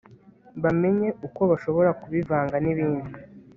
bamenye uko bashobora kubivanga nibindi